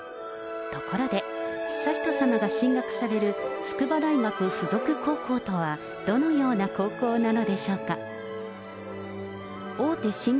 ところで、悠仁さまが進学される筑波大学附属高校とはどのような高校なのでしょうか。